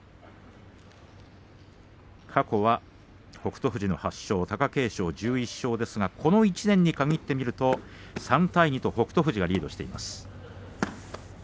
過去は北勝富士の８勝貴景勝の１１勝ですがこの１年に限ってみると３対２と北勝富士がリードしています。